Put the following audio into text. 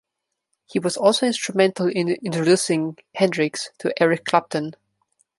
He was also instrumental in introducing Hendrix to Eric Clapton.